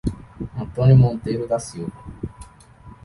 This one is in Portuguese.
Antônio Monteiro da Silva